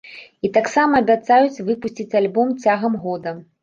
І таксама абяцаюць выпусціць альбом цягам года.